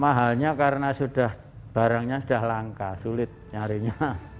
mahalnya karena barangnya sudah langka sulit nyarinya